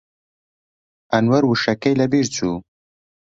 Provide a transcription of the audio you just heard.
ئەنوەر وشەکەی لەبیر چوو.